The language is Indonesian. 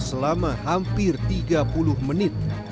selama hampir tiga puluh menit